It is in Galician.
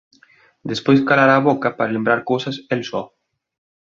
Despois calara a boca para lembrar cousas el só.